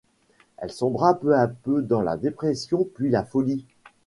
Elle sombra peu à peu dans la dépression puis la folie.